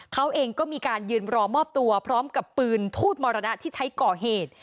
เขาเองก็มีการยืนรอมอบตัวพร้อมกับปืนทูตมรณะที่ใช้ก่อเหตุ